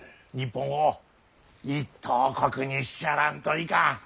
日本を一等国にしちゃらんといかん。